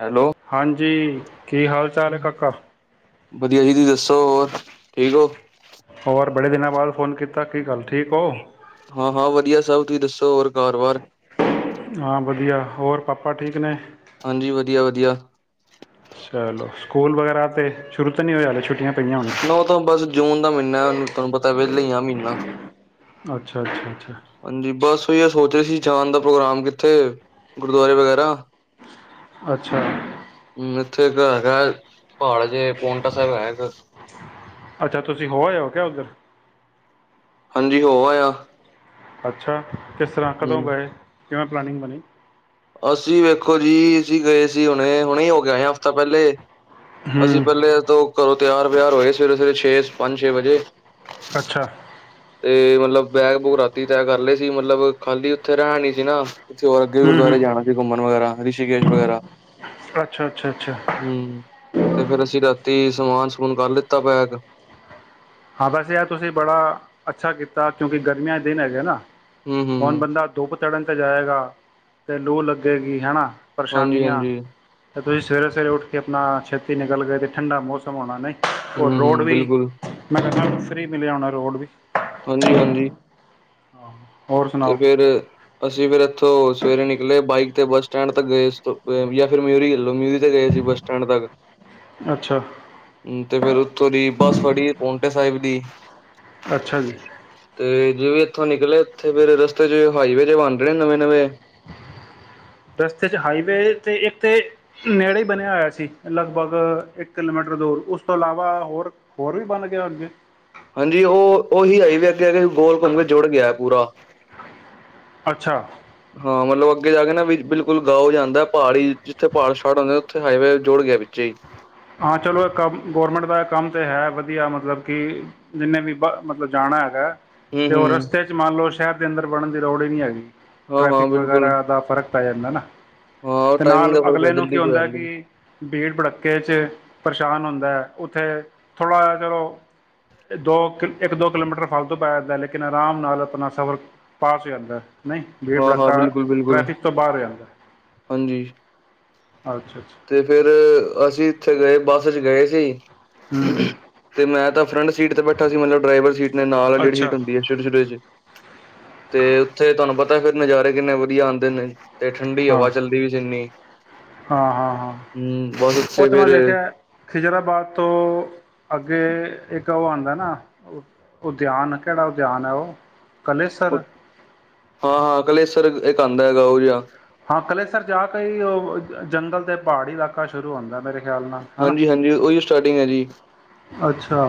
Hello, ਹਾਂਜੀ ਕੀ ਹਾਲ ਚਾਲ ਐ ਕਾਕਾ? ਵਧੀਆ ਜੀ ਤੁਸੀਂ ਦੱਸੋ ਹੋਰ ਠੀਕ ਹੋ? ਹੋਰ ਬੜੇ ਦਿਨਾਂ ਬਾਅਦ ਫੋਨ ਕੀਤਾ ਕੀ ਗੱਲ ਠੀਕ ਹੋ? ਹਾਂ-ਹਾਂ ਵਧੀਆ ਸਭ ਤੁਸੀਂ ਦੱਸੋ ਹੋਰ? ਘਰ ਵਾਰ। ਹਾਂ ਵਧੀਆ ਹੋਰ ਪਾਪਾ ਠੀਕ ਨੇ? ਹਾਂਜੀ ਵਧੀਆ ਵਧ ਦੀਆ। ਚਲੋਂ ਸਕੂਲ ਵਗੈਰਾ ਤੇ ਸ਼ੁਰੂ ਤੇ ਨਹੀਂ ਹੋਇਆ ਹਲੈ ਛੁ ਨਾ ਉਹ ਤਾਂ ਬਸ ਜੂਨ ਦਾ ਮਹੀਨਾ ਤੁਹਾਨੂੰ ਪਤਾ ਵੀ ਲਈਆਂ ਮਹੀਨਾ। [unintelligible] ਅੱਛਾ ਅੱਛਾ ਅੱਛਾ ਹਾਂਜੀ ਬਸ ਉਹੀ ਆ ਸੋਚ ਰਹੇ ਸੀ ਜਾਣ ਦਾ ਪ੍ਰੋਗਰਾਮ ਕਿੱਥੇ ਗੁਰਦੁਆਰੇ ਵਗੈਰਾ। ਅੱਛਾ ਹੂੰ ਇੱਥੇ ਕਾ ਹੈਗਾ ਆ ਪਹਾੜ ਜੇ ਪੋਂਟਾ ਸਾਹਿਬ ਹੈਗਾ ਅੱਛਾ ਤੁਸੀਂ ਹੋ ਆਏ ਹੋ ਕਿਆ ਉੱਧਰ? ਹਾਂਜੀ ਹੋ ਆਇਆ ਅੱਛਾ ਕਿਸ ਤਰ੍ਹਾਂ ਹੂੰ ਕਦੋਂ ਗਏ ਕਿਵੇਂ ਪਲਾਨਿੰਗ ਬਣੀ। ਅਸੀਂ ਵੇਖੋ ਜੀ ਅਸੀਂ ਗਏ ਸੀ ਹੁਣੇ ਹੁਣੇ ਹੀ ਹੋ ਕੇ ਆਏ ਆ ਹਫ਼ਤਾ ਪਹਿਲੇ। ਅਸੀਂ ਹੂੰ ਪਹਿਲੇ ਤੋਂ ਘਰੋਂ ਤਿਆਰ ਵਿਆਰ ਹੋਏ ਸਵੇਰੇ ਸਵੇਰੇ ਛੇ ਪੰਜ ਛੇ ਵਜੇ। ਅੱਛਾ ਤੇ ਮਤਲਬ [unintelligible] ਬੈਗ ਬੂਗ ਰਾਤੀ ਤਿਆਰ ਕਰ ਲਏ ਸੀ ਮਤਲਬ ਖਾਲੀ ਉੱਥੇ ਰਹਿਣ ਨਹੀ ਸੀ ਨਾ ਉਥੇ ਹੂੰ ਹੂੰ ਗੁਰੂਆਰੇ ਜਾਣਾ ਸੀ ਘੁੰਮਣ ਵਗੈਰਾ। ਰਿਸ਼ੀਕੇਸ਼ ਵਗੈਰਾ। ਅੱਛਾ ਅੱਛਾ ਅੱਛਾ ਹੂੰ ਤੇ ਫੇਰ ਅਸੀਂ ਰਾ ਤੇ ਸਮਾਨ ਸਮੂਨ ਕਰ ਲਿੱਤਾ ਪੈਕ? ਹਾਂ, ਬੈਸੇ ਯਾਰ ਤੁਸੀਂ ਬੜਾ ਅੱਛਾ ਕੀਤਾ, ਕਿਉਂਕਿ ਗਰਮੀਆਂ ਦੇ ਦਿਨ ਹੈਗੇ ਨਾ। ਹੂੰ ਕੌਣ ਹੂੰ ਬੰਦਾ ਧੁੱਪ ਚੜਨ ਕੇ ਜਾਏਗਾ ਅਤੇ ਲੂ ਲੱਗੇਗੀ ਹੈ ਨਾ ਹਾਂਜੀ ਹਾਂਜੀ ਅਤੇ ਤੁਸੀਂ ਸਵੇਰੇ ਸਵੇਰੇ ਉੱਠ ਕੇ ਆਪਣਾ ਛੇਤੀ ਨਿਕਲ ਗਏ ਅਤੇ ਠੰਡਾ ਮੌਸਮ ਹੋਣਾ ਨਹੀਂ ਔਰ ਹੂੰ ਰੋਡ ਹੂੰ ਵੀ ਬਿਲਕੁਲ ਮੈਂ ਫ੍ਰਰੀ ਮਿਲਿਆ ਹੋਣਾ ਰੋਡ ਵੀ ਹਾਂਜੀ ਹਾਂਜੀ ਹਾਂ ਤੇ ਫਿਰ ਅਸੀਂ ਫਿਰ ਇੱਥੋਂ ਸਵੇਰੇ ਨਿਕਲੇ ਬਾਈਕ ਤੇ ਬੱਸ ਸਟੈਂਡ ਤੱਕ ਗਏ ਜਾਂ ਫਿਰ ਮਿਊਰੀ ਖਲੋ ਮਿਊਰੀ ਤੇ ਗਏ ਸੀ ਬੱਸ ਸਟੈਂਡ ਤੱਕ ਅੱਛਾ ਹੂੰ ਤੇ ਫਿਰ ਉੱਥੋ ਦੀ ਬੱਸ ਫੜੀ ਪੋਂਟਾ ਸਾਹਿਬ ਦੀ ਅੱਛਾ ਜੀ ਜਿਵੇਂ ਇੱਥੋਂ ਨਿਕਲੇ ਇੱਥੇ ਫਿਰ ਰਸਤੇ ਚ ਹਾਈਵੇ ਜੇ ਬਣ ਰਹੇ ਨੇ ਨਵੇਂ ਨਵੇਂ ਰਸਤੇ ਚ ਹਾਈਵੇ ਤੇ ਇੱਕ ਤੇ ਨੇੜੇ ਹੀ ਬਣਿਆ ਹੋਇਆ ਸੀ ਲਗਭਗ ਇੱਕ ਕਿਲੋਮੀਟਰ ਦੂਰ ਉਸ ਤੋਂ ਇਲਾਵਾ ਹੋਰ ਹੋਰ ਵੀ ਬਣ ਗਏ ਹੋਣਗੇ ਹਾਂਜੀ ਉਹ ਉਹੀ ਹਾਈਵੇ ਅੱਗੇ ਆ ਕੇ ਗੋਲ ਘੁੰਮ ਕੇ ਜੁੜ ਗਿਆ ਪੂਰਾ ਅੱਛਾ ਹਾਂ ਮਤਲਬ ਅੱਗੇ ਜਾ ਕੇ ਨਾ ਵੀ ਬਿਲਕੁਲ ਗਾ ਹੋ ਜਾਂਦਾ ਪਹਾੜ ਹੀ ਜਿੱਥੇ ਪਹਾੜ ਛੜ ਹੁੰਦੇ ਉੱਥੇ ਹਾਈਵੇ ਜੁੜ ਗਿਆ ਵਿੱਚ ਹੀ ਹਾਂ ਚਲੋ ਇਹ ਕੰਮ ਗੌਰਮੈਂਟ ਦਾ ਕੰਮ ਤੇ ਹੈ ਵਧੀਆ ਮਤਲਬ ਕਿ ਜਿੰਨੇ ਵੀ ਮਤਲਬ ਜਾਣਾ ਹੈਗਾ ਹੂੰ ਤੇ ਉਹ ਹੂੰ ਰਸਤੇ ਚ ਮੰਨ ਲਓ ਸ਼ਹਿਰ ਦੇ ਅੰਦਰ ਬਣਨ ਦੀ ਲੋੜ ਹੀ ਨਹੀਂ ਹੈਗੀ ਹਾਂ ਹਾਂ ਟ੍ਰੈਫਿਕ ਬਿਲਕੁਲ ਵਗੈਰਾ ਦਾ ਫਰਕ ਪੈ ਜਾਂਦਾ ਨਾ ਹਾਂ ਤੇ ਟਾਈਮਿੰਗ ਨਾਲ ਦਾ ਫਰਕ ਅਗਲੇ ਪੈ ਨੂੰ ਕੀ ਜਲਦੀ ਹੋ ਹੁੰਦਾ ਜਾਂਦੀ ਕਿ ਭੀੜ ਭੜੱਕੇ ਪਰੇਸ਼ਾਨ ਹੁੰਦਾ ਹੈ ਉੱਥੇ ਥੋੜ੍ਹਾ ਜਹਾ ਚਲੋ ਦੋ ਕਿ ਇੱਕ ਦੋ ਕਿਲੋਮੀਟਰ ਫਲਤੂ ਪੈ ਜਾਂਦਾ ਲੇਕਿਨ ਆਰਾਮ ਨਾਲ ਆਪਣਾ ਸਫ਼ਰ ਪਾਸ ਹੋ ਜਾਂਦਾ ਨਹੀਂ ਭੀੜ ਹਾਂ ਹਾਂ ਭੜੱਕਾ ਬਿਲਕੁਲ ਬਿਲਕੁਲ ਟ੍ਰੈਫਿਕ ਤੋਂ ਬਾਹਰ ਹੋ ਜਾਂਦਾ ਹਾਂਜੀ ਅੱਛਾ ਅੱਛਾ ਤੇ ਫਿਰ ਅਸੀਂ ਉੱਥੇ ਗਏ ਬੱਸ ਚ ਗਏ ਸੀ ਹੂੰ ਤੇ ਮੈਂ ਤਾਂ ਫਰੰਟ ਸੀਟ ਤੇ ਬੈਠਾ ਸੀ ਮਤਲਬ ਡਰਾਈਵਰ ਸੀਟ ਨੇ ਨਾਲ ਜਿਹੜੀ ਅੱਛਾ ਸੀਟ ਹੁੰਦੀ ਹੈ ਸ਼ੁਰ ਸ਼ੁਰੂ ਚ ਤੇ ਉੱਥੇ ਤੁਹਾਨੂੰ ਪਤਾ ਤਾਂ ਫਿਰ ਨਜ਼ਾਰੇ ਕਿੰਨੇ ਵਧੀਆ ਆਉਂਦੇ ਨੇ ਤੇ ਠੰਡੀ ਹਾਂ ਹਵਾ ਚੱਲਦੀ ਪਈ ਸੀ ਇੰਨੀ ਹਾਂ ਹਾਂ ਹਾਂ ਹੂੰ ਬਸ ਉਹ ਉੱਥੇ ਤੇ ਮੈਂ ਫਿਰ ਦੇਖਿਆ ਖਿਜਰਾਬਾਦ ਤੋਂ ਅੱਗੇ ਇੱਕ ਉਹ ਆ ਦਾ ਨਾ ਉਦਿਆਨ ਕਿਹੜਾ ਉਦਿਆਨ ਹੈ ਉਹ ਕਲੇਸਰ ਹਾਂ ਹਾਂ ਕਲੇਸ਼ਰ ਖਾਂਦਾ ਹੈਗਾ ਉਹ ਜਿਹਾ ਹਾਂ ਕਲੇਸਰ ਜਾ ਕੇ ਈ ਓਹ ਜੰਗਲ ਤੇ ਪਹਾੜੀ ਇਲਾਕਾ ਸ਼ੁਰੂ ਹੁੰਦਾ ਐ ਮੇਰੇ ਖਿਆਲ ਨਾਲ ਹਨਾ ਹਾਂਜੀ-ਹਾਂਜੀ ਓ ਈ ਓ ਸਟਾਰਟਿੰਗ ਐ ਜੀ। ਅੱਛਾ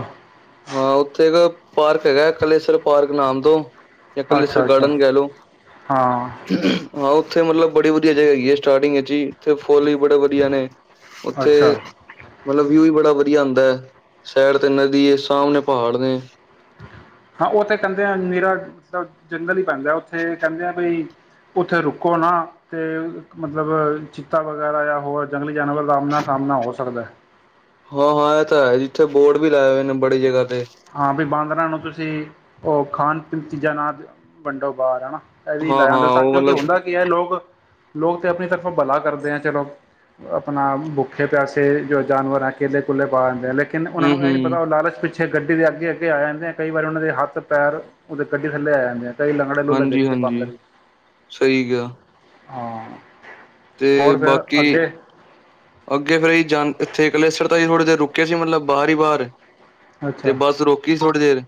ਹਾਂ ਉੱਥੇ ਇੱਕ ਪਾਰਕ ਹੈਗਾ, ਕਲੇਸ਼ਰ ਪਾਰਕ ਨਾਮ ਤੋਂ। ਯਾ ਕਲੇਸਰ ਅੱਛਾ ਅੱਛਾ ਗਾਰਡਨ ਕਹਿ ਲੋ। ਹਾਂ ਹਾਂ ਓ ਉੱਥੇ ਮਤਲਬ ਬੜੀ ਵਧੀਆ ਜਗਾ ਹੈਗੀ ਐ, ਸਟਾਰਟਿੰਗ ਇੱਚ ਈ ਫੁੱਲ ਵੀ ਬੜੇ ਵਧੀਆ ਨੇ, ਅੱਛਾ ਉੱਥੇ ਮਤਲਬ ਵਿਊ ਈ ਬੜਾ ਵਧ ਵਧੀਆ ਆਂਦੈ ਸੈਡ ਤੇ ਨਦੀ ਏ ਸ ਸਾਹਮਣੇ ਪਹਾੜ ਨੇ। ਹਾਂ ਉੱਥੇ ਕਹਿੰਦੇ ਆ ਮੇਰਾ ਮਤਲਬ ਜੰਗਲ ਈ ਪੈਂਦਾ ਐ, ਉੱਥੇ ਕਹਿੰਦੇ ਆ ਬਈ, ਉੱਥੇ ਰੁਕੋ ਨਾ ਤੇ ਮਤਲਬ ਚਿੱਤਾ ਵਗੈਰਾ ਜਾਂ ਹੋਰ ਜੰਗਲੀ ਜਾਨਵਰ ਦਾ ਆਮਨਾ ਸਾਮਣਾ ਹੋ ਸਕਦਾ ਐ। ਹਾਂ ਹਾਂ ਐ ਤੇ ਹੈ ਈ, ਇੱਥੇ ਬੋਰਡ ਵੀ ਲਾਏ ਹੋਏ ਨੇ ਬੜੀ ਜਗ੍ਹਾ ਤੇ ਹਾਂ ਵੀ ਬਾਂਦਰਾਂ ਨੂੰ ਤੁਸੀਂ ਓ ਖਾਨ ਪੀਨ ਚੀਜਾਂ ਨਾ ਵੰਡੋ ਬਾਰ ਹਨਾ। ਐ ਵੀ ਲੈ ਜਾਂਦੇ ਹਾਂ-ਹਾਂ ਤਾਂ ਉਹ ਕਿਉਂਕਿ ਮਤਲਬ ਹੁੰਦਾ ਕੀ ਐ ਲੋਕ ਲੋਕ ਤਾਂ ਆਪਣੀ ਤਰਫੋਂ ਬਲਾ ਕਰਦੇ ਐ ਚਲੋ, ਆਪਣਾ ਬੁੱਖੇ ਪਿਆਸੇ ਜੋ ਜਾਨਵਰ ਐ ਕੇਲੇ ਕੂਲੇ ਪਾ ਦਿੰਦੇ ਐ ਲੇਕਿ ਕਿਨ ਉਨਾਂ ਨੂੰ ਏ ਨੀ ਹੂੰ-ਹੂੰ ਪਤਾ ਹੁੰਦਾ, ਲਾਲਚ ਵਿੱਚ ਗੱਡੀ ਦੇ ਅੱਗੇ ਅੱਗੇ ਆ ਜਾਂਦੇ ਐਂ। ਕਈ ਵਾਰ ਉਨਾਂ ਦੇ ਹੱਥ ਪੈਰ ਉਦੇ ਗੱਡੀ ਥੱਲੇ ਆ ਜਾਂਦੇ ਐਂ। ਹਾਂਜੀ-ਹਾਂਜੀ, ਸਹੀ ਕਿਆ। ਹਾਂ। ਤੇ ਹੋਰ ਫਿਰ ਬਾਕੀ ਅੱਗੇ ਅੱਗੇ ਫੇਰ ਈ ਜਾਣ, ਇੱਥੇ ਕਲੇਸਰ ਤਾਈਂ ਥੋੜੀ ਦੇਰ ਰੁਕੇ ਸੀ ਮਤਲਬ, ਬਾਰ ਈ ਬਾਰ ਤੇ ਅੱਛਾ ਬਸ ਰੋਕੀ ਥੋੜੀ ਦੇਰ।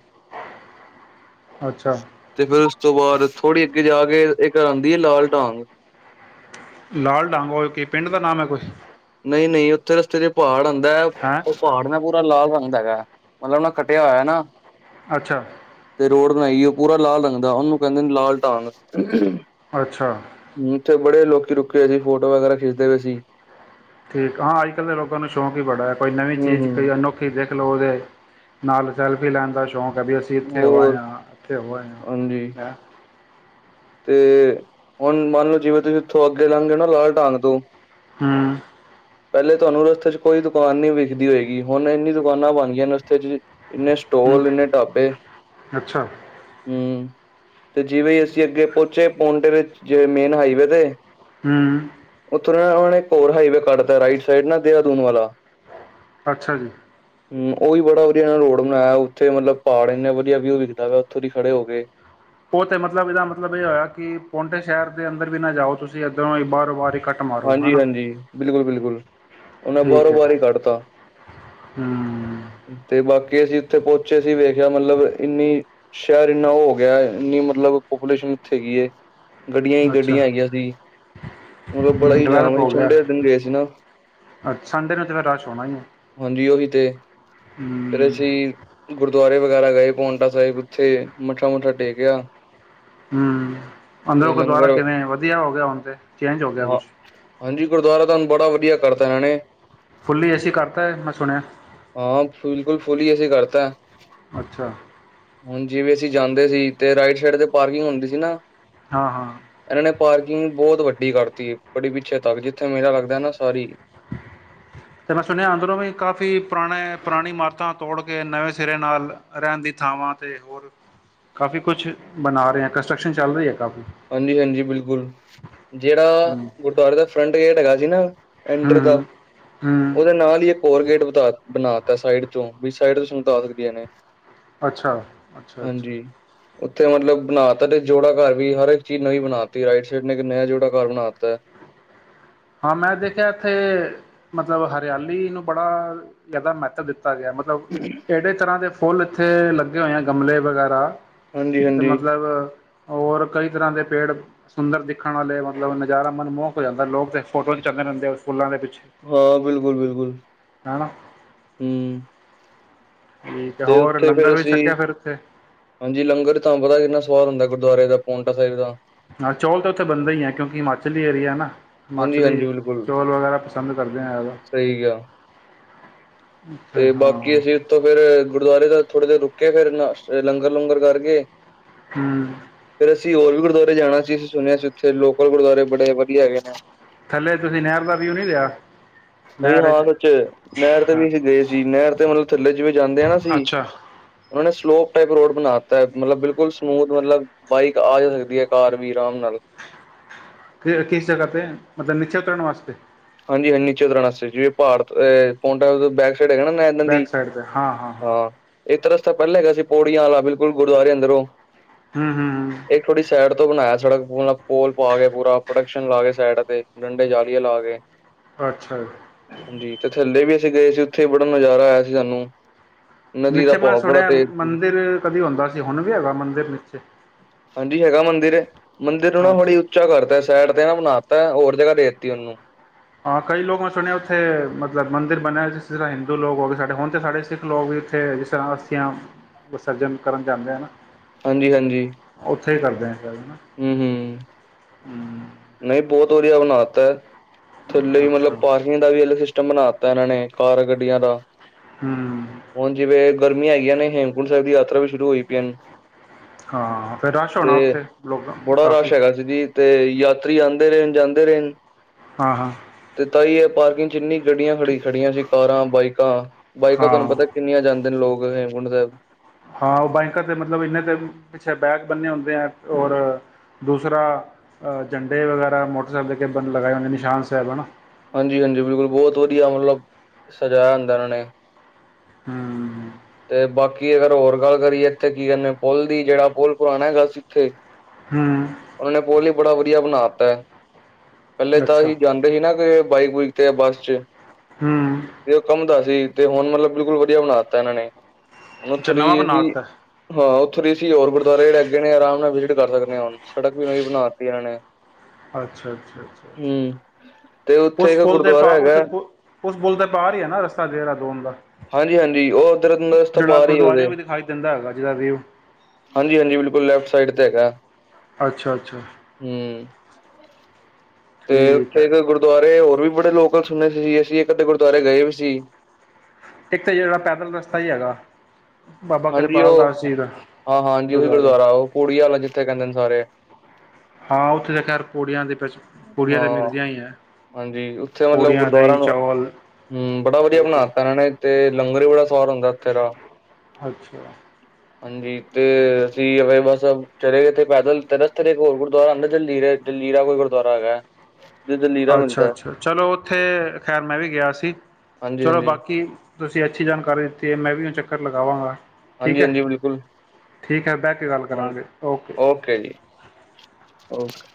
ਅੱਛਾ ਤੇ ਫੇਰ ਉਸ ਤੋਂ ਬਾਅਦ ਥੋੜ੍ਹੀ ਅੱਗੇ ਜਾ ਕੇ, ਇੱਕ ਆਂਦੀ ਏ ਲਾਲ ਢਾਂਗ ਲਾਲ ਡਾਂਗ ਓ ਏ ਕੀ ਪਿੰਡ ਦਾ ਨਾਮ ਐ ਕੋਈ? ਨਈ ਨਈ, ਉੱਥੇ ਰਸਤੇ ਤੇ ਪਾੜ ਆਂ ਦੈ ਹੈਂ ਓ ਪਾੜ ਨਾ ਪੂਰਾ ਲਾਲ ਰੰ ਹੁੰਦਾ ਗਾ, ਮਤਲਬ ਉਹਨਾਂ ਖੱਟਿਆ ਹੋਇਆ ਨਾ ਅੱਛਾ। ਤੇ ਰੋਡ ਬਣਾਈ ਆ ਪੂਰਾ ਲਾਲ ਰੰਗ ਦਾ, ਉਹਨੂੰ ਕਹਿੰਦੇ ਨੇ ਲਾਲ ਢਾਂਗ। ਅੱਛਾ। ਉੱਥੇ ਬੜੇ ਲੋਕੀ ਰੁਕੇ ਵਏ ਸੀ, ਫੋਟੋ ਵਗੈਰਾ ਖਿੱਚਦੇ ਵੇ ਸੀ। ਠੀਕ, ਹਾਂ ਅੱਜ ਕੱਲ੍ਹ ਦੇ ਲੋਕਾਂ ਨੂੰ ਸ਼ੌਂਕ ਈ ਬੜਾ ਐ, ਕੋਈ ਨਵੀਂ ਹੂੰ ਚੀਜ਼ ਕੋਈ ਹੂੰ ਅਨੋਖੀ ਦੇਖ ਲਓ, ਉਹਦੇ ਨਾਲ ਸੈਲਫੀ ਲੈਣ ਦਾ ਸ਼ੌਕ ਕਭੀ ਅਸੀਂ ਇੱਥੇ ਹੋ ਆਏ ਹੋਰ ਆਂ ਇੱਥੇ ਹੋ ਆਏ ਹਾਂਜੀ ਆਂ। ਤੇ ਹੁਣ ਮੰਨ ਲਓ ਹੂੰ। ਪਹਿਲੇ ਤੁਹਾਨੂੰ ਰਸਤੇ ਚ ਕੋਈ ਦੁਕਾਨ ਨੀ ਵੇਖਦੀ ਹੋਏਗੀ। ਹੁਣ ਇੰਨੀ ਦੁਕਾਨਾਂ ਬਣ ਗਈਆਂ ਰਸਤੇ ਚ, ਇੰਨੇ ਹੂੰ ਸਟੋਲ ਇੰਨੇ ਢਾਬੇ ਅੱਛਾ ਹੂੰ ਤੇ ਜਿਵੇ ਅਸੀਂ ਅੱਗੇ ਪਹੁੰਚੇ ਪੋਨਟੇ ਮੇਨ ਹਾਈਵੇ ਤੇ। ਹੂੰ ਤੇ ਉਹਨਾਂ ਨੇ ਈਕ ਹੋਰ ਹਾਈਵੇ ਕੱਢਤਾ। ਰਾਈਟ ਸਈਡ ਨਾ ਦੇਹਰਾਦੂਨ ਵਾਲਾ। ਅੱਛਾ ਜੀ। ਹੂੰ ਉਹ ਵੀ ਬੜਾ ਵਧੀਆ ਰੋਡ ਬਣਾਤਾ। ਉੱਥੇ ਮਤਲਬ ਪਹਾੜ ਇੰਨੇ ਵਧੀਆ ਵਿਊ ਵਿਖਦਾ ਵਾ ਉੱਥੋਂ ਦੀ ਖੜੇ ਹੋ ਕੇ। ਉਹ ਤੇ ਮਤਲਬ ਇਹਦਾ ਮਤਲਬ ਇਹ ਹੋਇਆ ਕਿ। ਪੋਂਟੇ ਸ਼ਹਿਰ ਦੇ ਅੰਦਰ ਵੀ ਨਾ ਜਾਓ ਤੁਸੀਂ ਇੱਧਰੋਂ ਹੀ ਬਾਹਰੋ ਬਾਹਰ ਹੀ ਕੱਟ ਮਾਰੋ ਹੈ ਨਾ ਹਾਂਜੀ-ਹਾਂਜੀ ਬਿਲਕੁਲ-ਬਿਲਕੁਲ ਉਹਨੇ ਠੀਕ ਬਾਹਰੋਂ ਬਾਹਰ ਹੈ ਹੀ ਕੱਢਤਾ। ਹੂੰ ਤੇ ਬਾਕੀ, ਅਸੀਂ ਉੱਥੇ ਪਹੁੰਚੇ ਸੀ। ਵੇਖਿਆ ਮਤਲਬ ਇੰਨੀ ਸ਼ਹਿਰ ਇੰਨਾ ਹੋ ਗਿਆ ਇੰਨੀ ਮਤਲਬ ਪਪੂਲੇਸ਼ਨ ਉੱਥੇ ਹੈਗੀ, ਗੱਡੀਆਂ ਹੀ ਅੱਛਾ ਗੱਡੀਆਂ ਹੈਗੀਆਂ ਸੀ। ਮਤਲਬ ਬੜਾ ਹੀ ਜਾਮ ਡਿਵੈਲਪ ਹੋ ਗਿਆ ਠੰਡੇ ਦਿਨ ਗਏ ਸੀ ਨਾ। ਅੱਛਾ ਸੰਡੇ ਨੂੰ ਤਾਂ ਫਿਰ ਰਸ਼ ਹੋਣਾ ਹੀ ਹੈ ਹਾਂਜੀ ਉਹੀ ਤੇ ਫਿਰ ਹੂੰ ਅਸੀਂ ਗੁਰਦੁਆਰੇ ਵਗੈਰਾ ਗਏ ਪੋਟਾ ਸਾਹਿਬ। ਉੱਥੇ ਮੱਥਾ ਮੁਥਾ ਟੇਕਿਆ, ਹੂੰ। ਅੰਦਰੋਂ ਤੇ ਗੁੁਰੂਦੁਆਰਾ ਲੰਗਰ ਕਿਵੇਂ ਹੈ? ਵਧੀਆ ਹੋ ਗਿਆ ਹੁਣ ਤੇ ਹਾਂ। ਹਾਂਜੀ ਗੁਰਦੁਆਰਾ ਤਾ ਹੁਣ ਬੜਾ ਵਧੀਆ ਕਰਤਾ। [unintelligible] ਹਾਂ ਬਿਲਕੁਲ ਫੁੱਲੀ ਏ ਸੀ ਕਰਤਾ। ਹੁਣ ਜਿਵੇਂ ਅਸੀਂ ਜਾਂਦੇ ਸੀ। ਤੇ ਰਾਈਟ ਸਾਈਡ ਤੇ ਪਾਰਕਿੰਗ ਹੁੰਦੀ ਸੀ ਨਾ, ਹਾਂ-ਹਾਂ ਇਹਨਾਂ ਨੇ ਪਾਰਕਿੰਗ ਬਹੁਤ ਵੱਡੀ ਕਰਤੀ। ਬੜੀ ਪਿੱਛੇ ਤੱਕ। ਜਿੱਥੇ ਮੇਲਾ ਲੱਗਦਾ ਹੈ ਨਾ, ਸਾਰੀ। ਤੇ ਮੈਂ ਸੁਣਿਆ ਅੰਦਰੋਂ ਵੀ ਕਾਫ਼ੀ ਪੁਰਾਣੇ ਪੁਰਾਣੀ ਇਮਾਰਤਾਂ ਤੋੜ ਕੇ ਨਵੇਂ ਸਿਰੇ ਨਾਲ ਰਹਿਣ ਦੀ ਥਾਵਾਂ ਤੇ, ਹੋਰ ਕਾਫ਼ੀ ਕੁਛ ਬਣਾ ਰਹੇ ਆ ਕੰਸਟਰਕਸ਼ਨ ਚੱਲ ਰਹੀ ਹੈ। ਕਾਫੀ ਹਾਂਜੀ-ਹਾਂਜੀ ਬਿਲਕੁਲ। ਜਿਹੜਾ ਹੂੰ ਗੁਰਦੁਆਰੇ ਦਾ ਫਰੰਟ ਗੇਟ ਹੈਗਾ, ਸੀ ਨਾ ਐਂਟਰ ਦਾ। ਹੂੰ ਹੂੰ ਉਹਦੇ ਨਾਲ ਹੀ ਇੱਕ ਹੋਰ ਗੇਟ ਬਤਾਰ। ਬਣਾ ਤਾ ਸਾਈਡ ਚੋ। ਵੀ ਸਾਈਡ ਤੋਂ ਸੰਗਤਾ ਆ ਸਕਦੀਆਂ ਨੇ। ਅੱਛਾ ਅੱਛਾ ਅੱਛਾ ਹਾਂਜੀ, ਉੱਥੇ ਮਤਲਬ ਬਣਾ ਤਾ। ਤੇ ਜੋੜਾ ਘਰ ਵੀ ਹਰ ਇੱਕ ਚੀਜ਼ ਨਵੀਂ ਬਣਾਤੀ ਰਾਈਟ ਸਾਈਡ। ਤੇ ਇੱਕ ਨਯਾ ਜੋੜਾ ਘਰ ਬਣਾਤਾ ਹੈ। ਹਾਂ ਮੈਂ ਦੇਖਿਆ ਇੱਥੇ, ਮਤਲਬ ਹਰਿਆਲੀ ਨੂੰ ਬੜਾ ਜ਼ਿਆਦਾ ਮਹੱਤਵ ਦਿੱਤਾ। ਗਿਆ ਮਤਲਬ, ਇਹਦੇ ਤਰ੍ਹਾਂ ਦੇ, ਫੁੱਲ ਇੱਥੇ ਲੱਗੇ ਹੋਏ ਆ ਗਮਲੇ ਵਗੈਰਾ। ਤੇ ਹਾਂਜੀ-ਹਾਂਜੀ, ਮਤਲਬ, ਔਰ ਕਈ ਤਰ੍ਹਾਂ ਦੇ ਪੇੜ ਸੁੰਦਰ ਦੇਖਣ ਵਾਲੇ ਮਤਲਬ ਨਜ਼ਾਰਾ ਮਨਮੋਹਕ ਹੋ ਜਾਂਦਾ ਲੋਕ ਤੇ, ਫੋਟੋ ਖੀਚਾਦੇ ਰਹਿੰਦੇ ਆ ਫੁੱਲਾ ਦੇ ਵਿੱਚ, ਹਾਂ ਬਿਲਕੁਲ-ਬਿਲਕੁਲ ਹੂੰ, ਹਨਾ ਤੇ ਹੋਰ ਉੱਥੇ ਲੰਗਰ ਫੇਰ ਵੀ ਅਸੀਂ ਛਕਿਆ ਫਿਰ ਉੱਥੇ ਹਾਂਜੀ ਲੰਗਰ ਚ ਤਾਂ ਤੁਹਾਨੁੰ ਪਤਾ ਕਿੰਨਾ ਸਵਾਦ ਹੁੰਦਾ। ਗੁਰਦੁਆਰਾ ਦਾ ਪੋਟਾ ਸਾਹਿਬ ਦਾ, ਹਾਂ, ਚੌਲ ਤਾਂ ਉੱਥੇ ਬਣਦਾ ਹੀ ਹੈ ਕਿਉਂਕਿ ਹਿਮਾਚਲੀ ਏਰੀਆ ਹੈ ਨਾ ਹਿਮਾਚਲੀ ਹਾਂਜੀ-ਹਾਂਜੀ ਬਿਲਕੁਲ ਚੌਲ ਵਗੈਰਾ ਪਸੰਦ ਕਰਦੇ ਆ, ਸਹੀ ਗਿਆ ਉੱਥੇ ਤੇ ਹਾਂ ਬਾਕੀ ਅਸੀਂ ਉੱਥੋਂ ਫੇਰ ਗੁਰਦੁਆਰੇ ਦਾ ਥੋੜ੍ਹੇ ਦੇਰ ਰੁਕੇ ਫਿਰ ਲੰਗਰ ਲੂੰਗਰ ਕਰਕੇ, ਹੂੰ, ਫੇਰ ਅਸੀਂ ਹੋਰ ਵੀ ਗੁਰਦੁਆਰੇ ਜਾਣਾ ਸੀ ਅਸੀਂ ਸੁਣਿਆ ਸੀ ਉੱਥੇ ਲੋਕਲ ਗੁਰਦੁਆਰੇ ਬੜੇ ਵਧੀਆ ਹੈਗੇ ਨੇ? ਥੱਲੇ ਤੁਸੀਂ ਨਹਿਰ ਦਾ ਵਿਊ ਨੀ ਲਿਆ ਨਹੀਂ ਨਹਿਰ ਹਾਂ ਚ ਸੱਚ ਨਹਿਰ ਤੇ ਹਾਂ। ਵੀ ਅਸੀਂ ਗਏ ਸੀ ਨਹਿਰ ਤੇ ਮਤਲਬ ਥੱਲੇ ਚ ਵੀ ਜਾਂਦੇ ਆ ਨਾ ਸੀ ਅੱਛਾ ਉਹਨਾਂ ਨੇ ਸਲੋਪ ਟਾਈਪ ਰੋਡ ਬਣਾ ਦਿੱਤਾ ਹੈ, ਮਤਲਬ ਬਿਲਕੁਲ ਸਮੂਥ ਮਤਲਬ ਬਾਈਕ ਆ ਜਾ ਸਕਦੀ ਹੈ ਕਾਰ ਵੀ ਆਰਾਮ ਨਾਲ ਕਿਸ ਜਗ੍ਹਾ ਤੇ ਮਤਲਬ ਨਿਚੇ ਉਤਰਨ ਵਾਸਤੇ ਹਾਂਜੀ-ਹਾਂਜੀ ਨੀਚੇ ਉਤਰਨ ਵਾਸਤੇ ਜਿਵੇਂ ਪਾਹੜ ਪੋਟਾ ਸਾਹਿਬ, [unintelligible] ਏਦਾਂ ਬੈਕ ਦੀ ਸਾਈਡ 'ਤੇ ਹਾਂ ਹਾਂ। ਇਕ ਰਸਤਾ ਪਹਿਲਾਂ ਹੈਗਾ ਸੀ ਪੌੜੀਆਂ ਵਾਲਾ ਬਿਲਕੁਲ ਗੁਰਦੁਆਰੇ ਅੰਦਰੋਂ, ਹੂੰ-ਹੂੰ-ਹੂੰ, ਇੱਕ ਥੋੜੀ ਸਾਈਡ ਤੋਂ ਬਣਾਇਆ ਸੜਕ ਪੋਲ ਪਾ ਕੇ ਪੂਰਾ ਪ੍ਰੋਡਕਸ਼ਨ ਲਾ ਕੇ ਸਾਈਡ ਤੇ ਡੰਡੇ ਜਾਲੀਏ ਲਾ ਕੇ, ਅੱਛਾ, ਹਾਂਜੀ, ਤੇ ਥੱਲੇ ਵੀ ਗਏ ਸੀ ਉੱਥੇ ਬੜਾ ਨਜ਼ਾਰਾ ਆਇਆ ਸੀ ਸਾਨੂੰ, ਨਦੀ ਦਾ ਨੀਚੇ ਮੈਂ ਭਾਵ ਬੜਾ ਸੁਣਿਆ ਤੇਜ਼ ਸੀ ਮੰਦਿਰ ਕਦੀ ਹੁੰਦਾ ਸੀ ਹੁਣ ਵੀ ਹੈਗਾ ਮੰਦਿਰ ਨੀਚੇ ਹਾਂਜੀ ਹੈਗਾ ਮੰਦਿਰ-ਮੰਦਿਰ ਨੂੰ ਨਾ ਅੱਛਾ ਹੜੀ ਉੱਚਾ ਕਰਤਾ ਸਾਈਡ ਤੇ ਨਾ ਬਣਾ ਤਾਂ ਹੋਰ ਜਗ੍ਹਾ ਦੇ ਦਿੱਤੀ ਉਹਨੂੰ ਹਾਂ ਕਈ ਲੋਕ ਮੈਂ ਸੁਣਿਆ ਉੱਥੇ ਮਤਲਬ ਮੰਦਿਰ ਬਣਿਆ ਜਿਸ ਤਰ੍ਹਾਂ ਹਿੰਦੂ ਲੋਕ ਹੋ ਗਏ ਸਾਡੇ ਹੁਣ ਤਾਂ ਸਾਡੇ ਸਿੱਖ ਲੋਕ ਵੀ ਉੱਥੇ ਜਿਸ ਤਰ੍ਹਾਂ ਅਸਥੀਆਂ ਵਿਸਰਜਨ ਕਰਨ ਜਾਂਦੇ ਹੈ ਨਾ। ਹਾਂਜੀ-ਹਾਂਜੀ, ਉੱਥੇ ਹੀ ਕਰਦੇ ਆ, ਨਹੀਂ [unintelligible] ਬਹੁਤ ਵਧੀਆ ਬਣਾਤਾ ਐ, ਥੱਲੇ ਵੀ ਅੱਛਾ ਮਤਲਬ ਪਾਰਕਿੰਗ ਦਾ ਵੀ ਅਲਗ ਸਟਮ ਸਿਸਟਮ ਬਣਾ ਦਿੱਤਾ ਇਹਨਾਂ ਨੇ ਕਾਰ ਗੱਡੀਆਂ ਦਾ, ਹੂੰ ਹੁਣ ਜਿਵੇਂ ਗਰਮੀਆਂ ਆਈਆਂ ਨੇ ਹੇਮਕੁੰਟ ਸਾਹਿਬ ਦੀ ਯਾਤਰਾ ਵੀ ਸ਼ੁਰੂ ਹੋਈ ਪਈ ਐ ਹੁਨ, ਹਾਂ, ਫਿਰ ਰਸ਼ ਹੋਣਾ ਉੱਥੇ ਲੋਕਾਂ ਬੜਾ ਰਸ਼ ਕਾਫੀ ਹੈਗਾ ਸੀ ਜੀ। ਤੇ ਯਾਤਰੀ ਆਂਦੇ ਰੇਨ, ਜਾਂਦੇ ਰੇਨ। ਹਾਂ ਹਾਂ ਤੇ ਤਾਇ ਏ ਪਾਰਕਿੰਗ ਚ ਇੰਨੀ ਗੱਡੀਆਂ ਖੜ੍ਹੀ, ਖੜ੍ਹੀਆਂ ਸੀ। ਕਾਰਾਂ, ਬਾਈਕਾਂ ਬਾਈਕਾਂ ਹਾਂ ਤਾਨੂੰ ਪਤਾ ਕਿੰਨੀਆਂ ਜਾਂ ਤੇ ਲੋਕ ਹੇਮਕੁੰਡ ਸੈਬ ਹਾਂ, ਓ ਬਾਈਕਾਂ ਤੇ, ਮਤਲਬ ਇਨ੍ਹੇ ਤੇ ਪਿੱਛੇ ਬੈਗ ਬੰਨੇ ਹੁੰਨ ਦੇ ਏ ਔਰ ਦੂਸਰਾ, ਝੰਡੇ ਵਗੈਰਾ ਮੋਟਰਸਾਈਕਲ ਦੇ ਅਗੇ [unintelligible] ਲਗਾਏ ਹੁੰਦੇ ਨੇ ਨਿਸ਼ਾਨ ਸੈਬ ਹਨਾਂ। ਹਾਂਜੀ, ਹਾਂਜੀ, ਬਿਲਕੁਲ! ਬੋਤ ਵਧੀਆ, ਮਤਲਬ ਸਜਾਇਆ ਹੁੰਦਾ ਏਨਾਂ ਨੇਂ। ਹਂ ਤੇ ਬਾਕੀ ਅਗਰ ਹੋਰ ਗੱਲ ਕਰੀਏ ਏਥੇ ਕੀ ਕੈਨੇ ਆ ਪੁੱਲ ਦੀ, ਜੇੜਾ ਪੁੱਲ ਪੁਰਾਣਾ ਹੈਗਾ ਸੀ ਇੱਥੇ ਹੂੰ ਓਨਾਂ ਨੇ ਪੁੱਲ ਈ ਬੜਾ ਵਧੀਆ ਬਣਾ ਤੈ। ਪੈਲੇ ਤਾ ਅੱਛਾ ਅਸੀਂ ਜਾਂਦੇ ਹੀ ਨਾਂ ਕਿ ਬਾਈਕ, ਬੁਈਕ ਤੇ ਯਾ ਬੱਸ ਚ ਹੂੰ ਤੇ ਓ ਕਾਮਦਾ ਸੀ। ਤੇ ਹੁਨ ਮਤਲਬ ਬਿਲਕੁਲ ਵਡੀਆ ਬਨਾਂ ਤੈ ਏਣਾ ਨੇਂ। ਹੁਨ ਔਥੋ ਅੱਛਾ ਦੀ ਨਵਾਂ ਏ ਬਣਾ ਐਜੀ, ਤਾ ਹਾਂ ਔਥੋ ਦੇ ਅਸੀਂ ਹੋਰ ਗੁਰਦੁਆਰੇ ਜੇੜੇ ਅਗੇ ਨੇ ਆਰਾਮ ਨਾਂ ਵਿਜੀ ਕੀ ਕਰ ਸਕਨੇ ਆ ਹੁਨ। ਸੜਕ ਵੀ ਨਵੀਂ ਬਨਾ ਤੀ ਏਨਾਂ ਨੇਂ। ਅੱਛਾ ਅੱਛਾ ਅੱਛਾ ਅੱਛਾ, ਤੇ ਉੱਥੇ ਉਸ ਇੱਕ ਪੁਲ ਦੇ ਪਾ, ਗੁਰਦੁਆਰਾ ਉਸ ਹੈਗਾ ਪੁ, ਉਸ ਪੁਲ ਦੇ ਪਾਰ ਹੀ ਏਨਾ ਰਸਤਾ ਦੇਰਾਦੂਨ ਦਾ। ਰਸਥਾ ਜਿਹੜਾ ਪਾਰ ਹੀ ਔਦੇ। ਗੁਰਦੁਆਰਿਆਂ ਵੀ ਦਿਖਾਈ ਦਿੰਦਾ ਹੈਗਾ ਜਿਹਦਾ ਵਿਊ ਹਾਂਜੀ, ਹਾਂਜੀ ਬਿਲਕੁਲ ਲੈਫਟ ਸਾਈਡ ਤੇ ਹੈਗੈ, ਹਂ। ਅੱਛਾ ਅੱਛਾ ਹਂ ਤੇ, ਠੀਕ ਉੱਥੇ ਹੈ ਇੱਕ ਗੁਰਦੁਆਰੇ ਹੋਰ ਵੀ ਬੜੇ ਲੋਕਲ ਸੁਨੇ ਸੀ ਅਸੀ ਏ ਅੱਧੇ ਗੁਰਦੁਆਰੇ ਗਏ ਵੀ ਸੀ। ਇੱਕ ਤੇ ਜੇੜਾ ਪੈਦਲ ਰਸਤਾ ਈ ਹੈਗਾ। ਬਾਬਾ ਹਾਂਜੀ, ਓ, ਕਿਰਪਾਲ ਦਾਸ ਹਾਂ, ਜੀ ਦਾ ਹਾਂ ਹਾਂਜੀ ਓਈ ਗੁਰਦੁਆਰਾ ਓ ਪੋੜੀ ਆਲਾ ਜਿੱਥੇ ਕੈਂਦੇ ਨੇ ਸਾਰੇ ਹਾਂ, ਉੱਥੇ ਤੇ ਖੈਰ ਪੂੜੀਆਂ ਦੇ, [unintelligible] ਪੂੜੀਆਂ ਹਾਂ ਤੇ ਮਿਲਦੀਆਂ ਈ ਐ। ਹਾਂਜੀ ਉੱਥੇ ਮਤਲਬ ਪੂੜੀਆਂ, ਗੁਰਦੁਆਰਾ ਦਈਂ, ਨੂੰ ਚਾਵਲ ਹੂੰ, ਬੜਾ ਵਧੀਆ ਹਰ ਚੀਜ਼। ਬਣਾਤਾ ਇਹਨਾਂ ਨੇ ਤੇ ਲੰਗਰ ਵੀ ਬੜਾ ਸਵਾਦ ਹੁੰਦੈ ਓਥੇ ਦਾ। ਅੱਛਾ। ਹਾਂਜੀ, ਤੇ ਅਸੀ ਗਏ ਬਸ ਚਲੇ ਗਏ, ਤੇ ਪੈਦਲ ਤੇ ਰਸਤੇ ਤੇ ਇੱਕ ਹੋਰ ਗੁਰਦੁਆਰਾ ਆਂਦੈ, ਜਲਜੀਰੇ, ਜਲਜੀਰਾ ਕੋਈ ਗੁਰਦੁਆਰਾ ਹੈਗੈ। ਅੱਛਾ-ਅੱਛਾ ਚਲੋ ਉੱਥੇ ਖੈਰ ਮੈਂ ਵੀ ਗਿਆ ਸੀ ਚਲੋ ਹਾਂਜੀ-ਹਾਂਜੀ, ਬਾਕੀ ਤੁਸੀਂ ਅੱਛੀ ਜਾਣਕਾਰੀ ਦਿੱਤੀ ਹੈ ਮੈਂ ਵੀ ਹ ਚੱਕਰ ਲੱਗਾ ਲਵਾਂਗਾ। ਹਾਂਜੀ-ਹਾਂਜੀ ਬਿਲਕੁਲ ਹੈ ਬਹਿ ਕੇ ਗੱਲ ਹਾਂ ਕਰਾਂਗੇ ਓਕੇ ਜੀ ਓਕੇ।